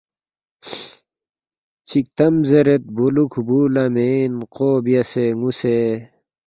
چک تم زیرید بولوکھ بُو لا مین قو بیاسے نُوسے